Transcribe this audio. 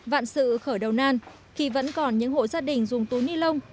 vạn sự khởi đầu nan khi vẫn còn những hộ gia đình dùng túi ni lông